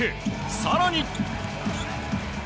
更に。